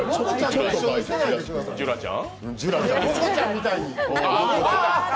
ジュラちゃん？